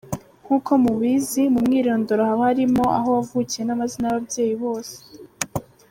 Nk’uko mubizi mu mwirondoro haba harimo aho wavukiye n’amazina y’ababyeyi bose.